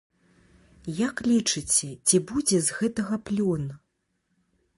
Як лічыце, ці будзе з гэтага плён?